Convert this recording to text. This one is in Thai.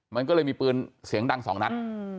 มันก็เลยมีปืนเสียงดังสองนัด